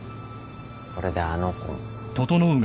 これであの子も。